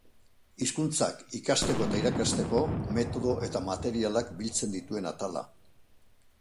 Hizkuntzak ikasteko eta irakasteko metodo eta materialak biltzen dituen atala.